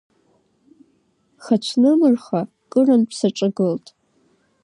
Хацәнмырха кырынтә саҿагылт.